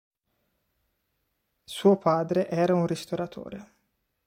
Suo padre era un ristoratore.